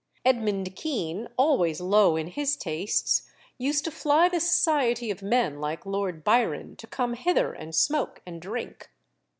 Edmund Kean, always low in his tastes, used to fly the society of men like Lord Byron to come hither and smoke and drink.